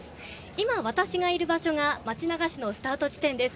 今、私がいる場所が町流しのスタート地点です。